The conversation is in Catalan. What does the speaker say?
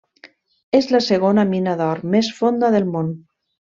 És la segona mina d'or més fonda del món.